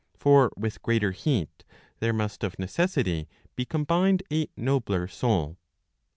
For with greater heat there must of neces sity be combined a nobler soul."